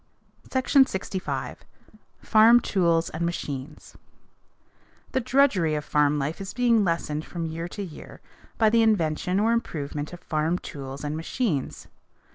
SECTION LXV. FARM TOOLS AND MACHINES The drudgery of farm life is being lessened from year to year by the invention or improvement of farm tools and machines.